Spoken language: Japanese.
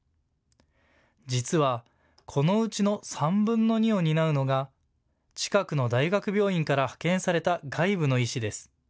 実はこのうちの３分の２を担うのが、近くの大学病院から派遣された外部の医師です。